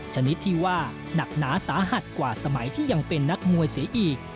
ชนิดที่ว่าหนักหนาสาหัสกว่าสมัยที่ยังเป็นนักมวยเสียอีก